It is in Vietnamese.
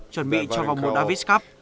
chuẩn bị cho vòng một davis cup